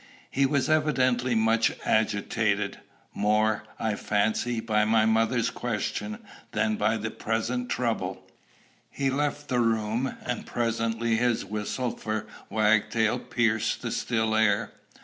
He was evidently much agitated, more, I fancied, by my mother's question than by the present trouble. He left the room, and presently his whistle for Wagtail pierced the still air.